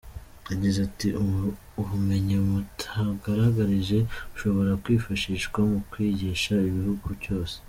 Yagize ati “Ubumenyi mwatugaragarije bushobora kwifashishwa mu kwigisha igihugu cyose.